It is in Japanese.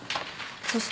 そして。